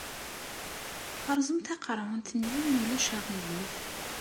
Rẓem taqerɛunt-nni, ma ulac aɣilif.